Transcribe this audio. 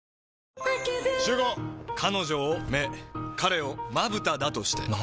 彼女を目彼をまぶただとして。